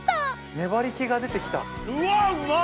・粘り気が出て来た・うわうまっ！